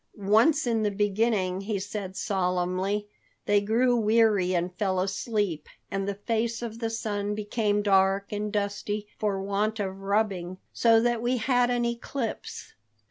"Once in the beginning," he said solemnly, "they grew weary and fell asleep, and the face of the sun became dark and dusty for want of rubbing, so that we had an eclipse."